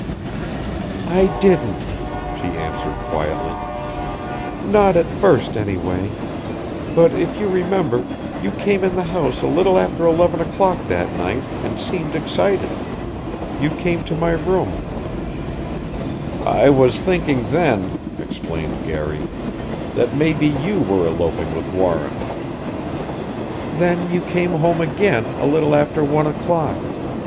"I didn't," she answered quietly. "Not at first, anyway. But, if you remember, you came in the house a little after eleven o'clock that night and seemed excited. You came to my room " "I was thinking then," explained Garry, "that maybe you were eloping with Warren." "Then you came home again a little after one o'clock.